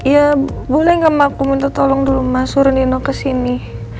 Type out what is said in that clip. ya boleh gak ma aku minta tolong dulu ma suruh nino kesini